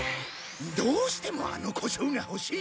どうしてもあのこしょうが欲しい！